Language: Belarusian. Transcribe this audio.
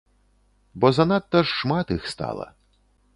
Бо занадта ж шмат іх стала.